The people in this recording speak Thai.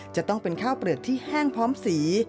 จะต้องเป็นข้าวเปลือกที่แห้งพร้อมสี